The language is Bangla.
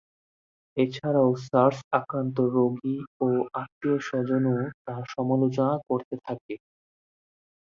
এছাড়াও সার্স আক্রান্ত রোগী ও আত্মীয়-স্বজনও তার সমালোচনা করতে থাকে।